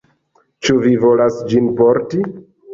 Ĉu vi volas ĝin porti?